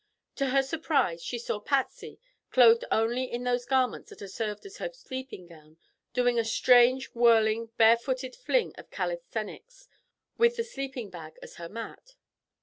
To her surprise she saw Patsy, clothed only in those garments that had served as her sleeping gown, doing a strange, whirling, bare footed fling of calisthenics, with the sleeping bag as her mat.